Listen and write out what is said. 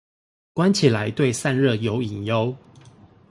關起來對散熱有隱憂